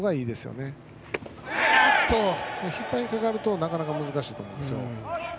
引っ張りにかかるとなかなか難しいと思うんです。